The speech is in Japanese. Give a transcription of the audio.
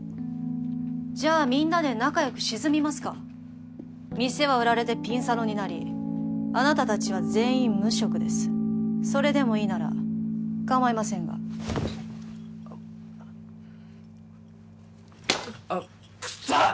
じゃあみんなで仲よく沈みますか店は売られてピンサロになりあなた達は全員無職ですそれでもいいならかまいませんがあクソッ！